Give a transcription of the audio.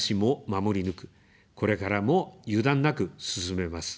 守り抜く、これからも油断なく進めます。